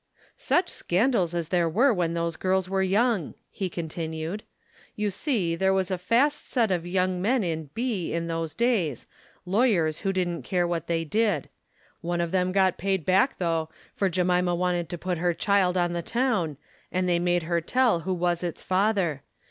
"Such scandals as there were when those girls were young!" he continued. "You see, there was a fast set of young men in B in those days, lawyers, who didn't care what they did. One of them got paid back, though, for Jemima wanted to put her child on the town, and they made her tell who was its father.